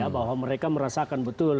bahwa mereka merasakan betul